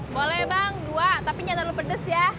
boleh bang dua tapi jangan terlalu pedes ya